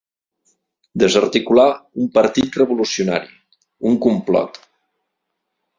Desarticular un partit revolucionari, un complot.